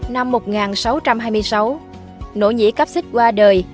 năm một nghìn sáu trăm hai mươi sáu nỗ nhĩ cáp xích qua đời